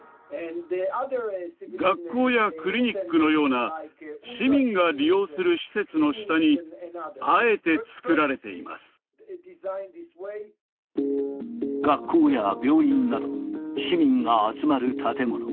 学校やクリニックのような市民が利用する施設の下に、学校や病院など、市民が集まる建物。